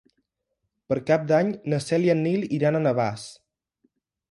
Per Cap d'Any na Cel i en Nil iran a Navàs.